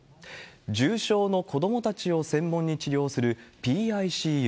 重症の子どもたちを専門に治療するＰＩＣＵ。